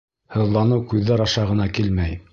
Һыҙланыу күҙҙәр аша ғына килмәй...